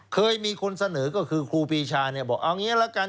เคยมีคนเสนอก็คือครูปีชาเนี่ยบอกเอางี้ละกัน